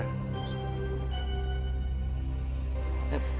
bisa kita beri perhatian kepada pak jarko